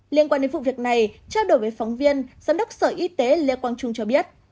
liên quan đến vụ việc này trao đổi với phóng viên giám đốc sở y tế lê quang trung cho biết